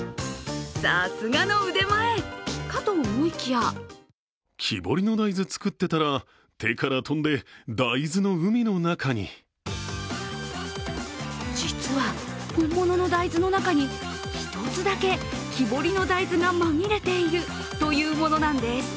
さすがの腕前かと思いきや実は本物の大豆の中に１つだけ木彫りの大豆が紛れているというものなんです。